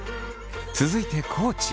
続いて地。